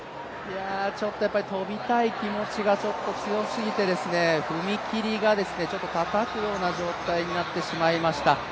ちょっと跳びたい気持ちが強すぎて、踏み切りが、ちょっとたたくような状態になってしまいました。